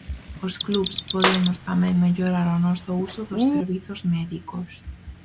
Os clubs podemos tamén mellorar o noso uso dos servizos médicos.